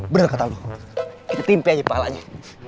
bener kata lo kita timpi aja palanya